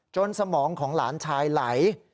สมองของหลานชายไหล